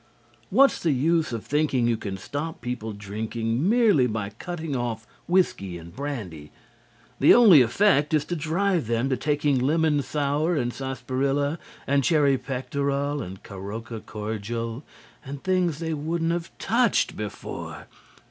What's the use of thinking you can stop people drinking merely by cutting off whiskey and brandy? The only effect is to drive them to taking lemon sour and sarsaparilla and cherry pectoral and caroka cordial and things they wouldn't have touched before.